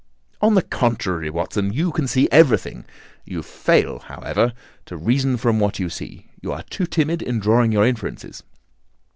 "On the contrary, Watson, you can see everything. You fail, however, to reason from what you see. You are too timid in drawing your inferences."